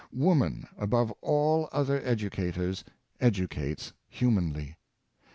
Woman, above all other educators, educates humanly.